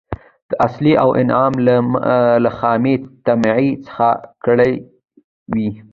د صلې او انعام له خامي طمعي څخه کړي وي.